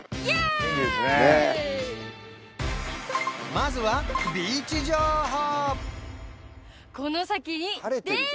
まずはビーチ情報！